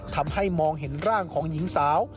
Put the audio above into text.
ทำให้มองเห็นร่างของหญิงสาว